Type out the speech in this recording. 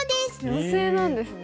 妖精なんですね。